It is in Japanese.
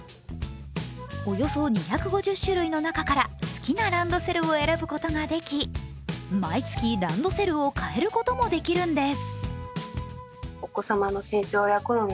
およそ２５０種類の中から好きなランドセルを選ぶことができ毎月ランドセルを変えることもできるんです。